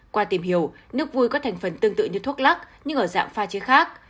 qua tìm hiểu nước vui có thành phần tương tự như thuốc lắc nhưng ở dạng pha chế khác